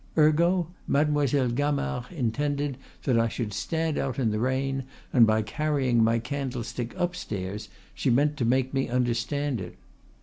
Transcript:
Ergo, Mademoiselle Gamard intended that I should stand out in the rain, and, by carrying my candlestick upstairs, she meant to make me understand it.